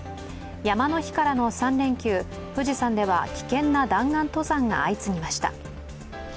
山の日からの３連休富士山では危険な弾丸登山が相次ぎました。